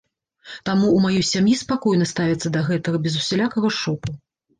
Таму ў маёй сям'і спакойна ставяцца да гэтага, без усялякага шоку.